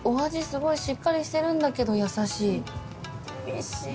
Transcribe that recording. すごいしっかりしてるんだけど優しい。